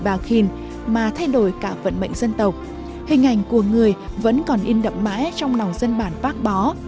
bà khin mà thay đổi cả vận mệnh dân tộc hình ảnh của người vẫn còn in đậm mãi trong lòng dân bản bác bó